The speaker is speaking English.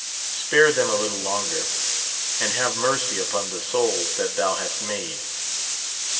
Spare them a little longer, and have mercy upon the souls that thou hast made.